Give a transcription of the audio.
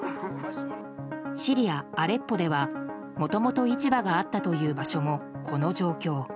シリア・アレッポではもともと市場があったという場所もこの状況。